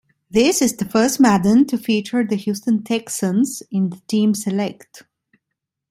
This is the first Madden to feature the Houston Texans in the team select.